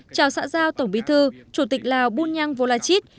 chào xã giao tổng bí thư chủ tịch lào bunyang volachit